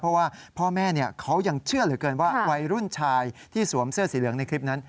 เพราะว่าพ่อแม่เขายังเชื่อเหลือเกินว่าวัยรุ่นชายที่สวมเสื้อสีเหลืองในคลิปนั้น